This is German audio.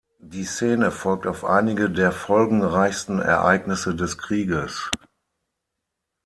Die Szene folgt auf einige der folgenreichsten Ereignisse des Krieges.